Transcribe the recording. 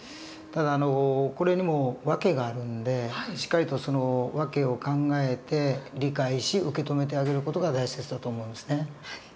ただこれにも訳があるんでしっかりとその訳を考えて理解し受け止めてあげる事が大切だと思うんですね。